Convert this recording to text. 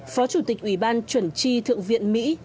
phó chủ tịch ủy ban chuẩn tri thượng viện mỹ